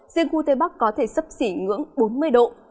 riêng khu tây bắc có thể sấp xỉ ngưỡng bốn mươi độ